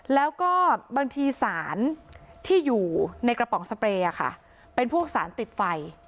แล้วก็บางทีสารที่อยู่ในกระป๋องสเปรย์เป็นพวกสารติดไฟ